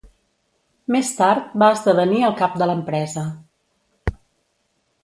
Més tard va esdevenir el cap de l'empresa.